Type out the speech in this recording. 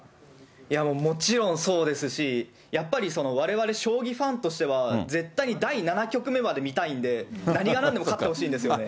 いやもう、もちろんそうですし、やっぱりわれわれ将棋ファンとしては絶対に第７局目まで見たいんで、何がなんでも勝ってほしいんですよね。